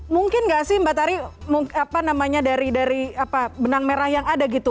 mungkin nggak sih mbak tari dari benang merah yang ada gitu